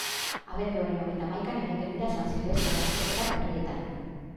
Abenduaren hogeita hamaikan egiten dira San Silvestre lasterketak herrietan.